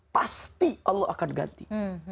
pasti allah akan ganti